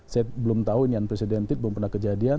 saya belum tahu ini unprecedented belum pernah kejadian